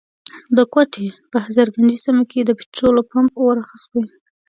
د کوټي په هزارګنجۍ سيمه کي د پټرولو پمپ اور اخستی.